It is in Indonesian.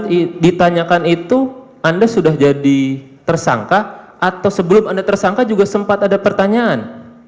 ketika ditanyakan itu anda sudah jadi tersangka atau sebelum anda tersangka juga sempat ada pertanyaan